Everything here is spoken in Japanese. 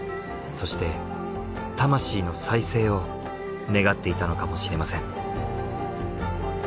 そして魂の再生を願っていたのかもしれません。